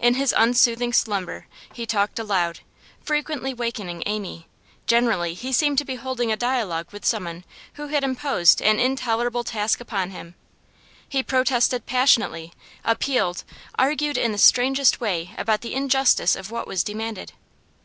In his unsoothing slumber he talked aloud, frequently wakening Amy; generally he seemed to be holding a dialogue with someone who had imposed an intolerable task upon him; he protested passionately, appealed, argued in the strangest way about the injustice of what was demanded.